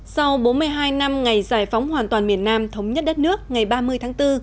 sau bốn mươi hai năm ngày giải phóng hoàn toàn miền nam thống nhất đất nước ngày ba mươi tháng bốn